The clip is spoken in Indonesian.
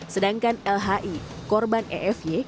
sedangkan lhi korban efy